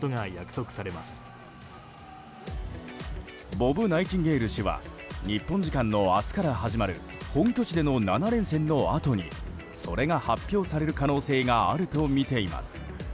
ボブ・ナイチンゲール氏は日本時間の明日から始まる本拠地での７連戦のあとにそれが発表される可能性があるとみています。